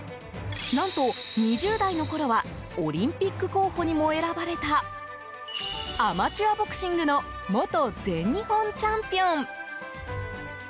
何と２０代のころはオリンピック候補にも選ばれたアマチュアボクシングの元全日本チャンピオン。